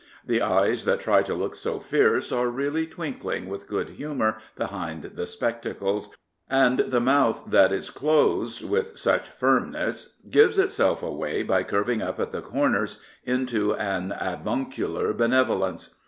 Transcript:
The eyes that try to look so fierce are really twinkling with good humour behind the spectacles, and the mouth that is closed with such firmness gives itself away by curving up at the corners into an avuncular benevolence.